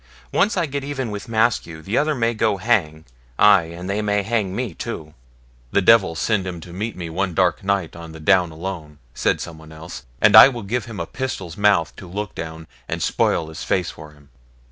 Once I get even with Maskew, the other may go hang, ay, and they may hang me too.' 'The Devil send him to meet me one dark night on the down alone,' said someone else, 'and I will give him a pistol's mouth to look down, and spoil his face for him.'